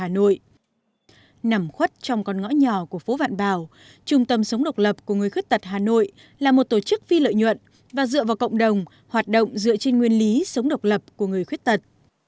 nằm khuất trong con ngõ nhỏ của phố vạn bảo trung tâm sống độc lập của người khuyết tật hà nội là một tổ chức phi lợi nhuận và dựa vào cộng đồng hoạt động dựa trên nguyên lý sống độc lập của người khuyết tật